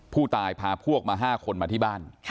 ผู้ตายพาพวกมา๕คนมาที่บ้าน